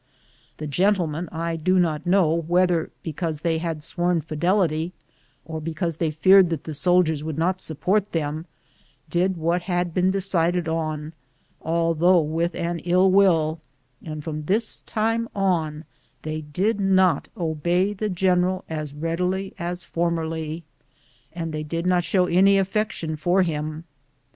The gentlemen, I do not know whether because they had sworn fidelity or because they feared that the soldiers would not support them, did what had been decided on, although with an ill will, and from this time on they did not obey the general as readily as formerly, and they did not show any affection for him.